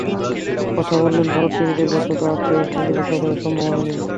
কথা বললেন ভারত সিরিজের ব্যর্থতা, আসছে ওয়েস্ট ইন্ডিজ সফরের সম্ভাবনা নিয়ে।